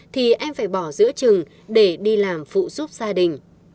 thì em phải bỏ giữa trừng để đi làm phụ giúp gia đình